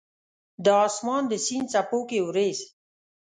د اسمان د سیند څپو کې اوریځ